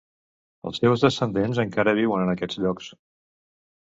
Els seus descendents encara viuen en aquests llocs.